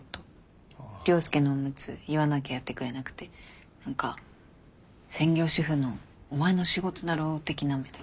涼介のおむつ言わなきゃやってくれなくて何か専業主婦のお前の仕事だろ的な目で。